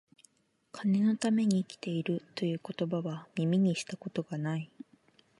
金のために生きている、という言葉は、耳にした事が無い